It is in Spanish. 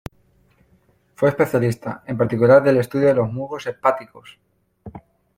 Fue especialista, en particular del estudio de los musgos hepáticos.